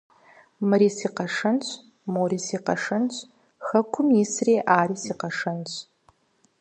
Мыри си къэшэнщ! Мори си къэшэнщ! Хэкум исыр ари си къэшэнщ!